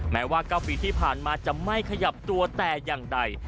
แม้ว่า๙ปีที่ผ่านมาจะไม่ขยับตัวแต่อย่างใด